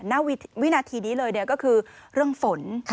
ณวินาทีนี้เลยก็คือเรื่องฝน